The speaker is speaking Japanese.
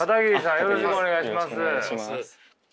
よろしくお願いします。